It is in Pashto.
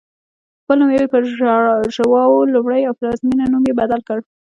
خپل نوم یې پر ژواو لومړی او پلازمېنې نوم یې بدل کړ.